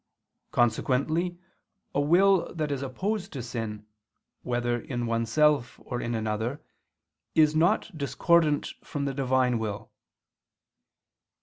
Consequently a will that is opposed to sin, whether in oneself or in another, is not discordant from the Divine will.